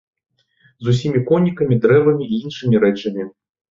З усімі конікамі, дрэвамі і іншымі рэчамі.